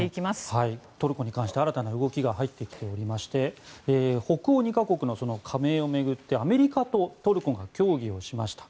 トルコに関して新たな動きが入ってきまして北欧２か国の加盟を巡ってアメリカとトルコが協議をしました。